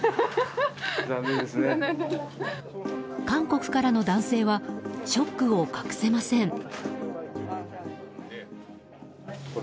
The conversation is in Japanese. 韓国からの男性はショックを隠せません。